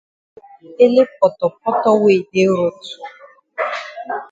Ele potopoto wey yi dey road.